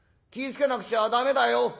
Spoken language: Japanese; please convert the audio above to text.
付けなくちゃ駄目だよ」。